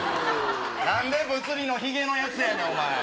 なんで物理のひげのやつやねん、お前。